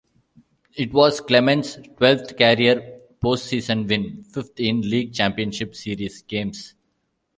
It was Clemens' twelfth career postseason win, fifth in League Championship Series games.